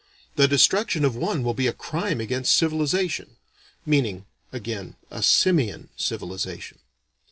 The destruction of one will be a crime against civilization. (Meaning, again, a simian civilization.)